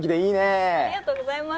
ありがとうございます。